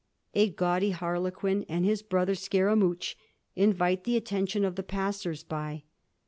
A gaudy Harlequin and his brother Scaramouch invite the attention of the passers by.